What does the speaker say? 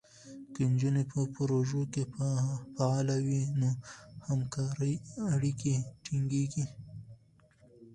که نجونې په پروژو کې فعاله وي، نو همکارۍ اړیکې ټینګېږي.